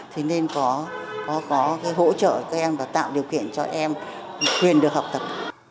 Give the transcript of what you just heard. thì nên có cái hỗ trợ các em và tạo điều kiện cho em khuyên được học tập